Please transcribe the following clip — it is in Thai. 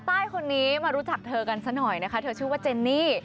ใต้คนนี้มารู้จักเธอกันซะหน่อยนะคะเธอชื่อว่าเจนนี่